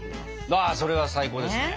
わそれは最高ですね。